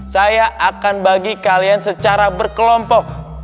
saya akan bagi kalian secara berkelompok